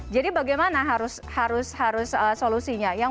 jadi bagaimana harus solusinya